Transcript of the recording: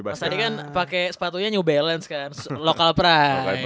mas adi kan pakai sepatunya new balance kan